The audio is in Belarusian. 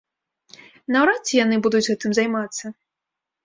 Наўрад ці яны будуць гэтым займацца.